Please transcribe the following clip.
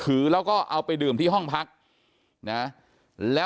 อยู่ดีมาตายแบบเปลือยคาห้องน้ำได้ยังไง